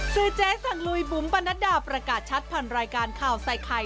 ซื้อเจสังลุยบุ๋มปรณัดดาปประกาศชัดผ่านรายการข่าวไซค์ไข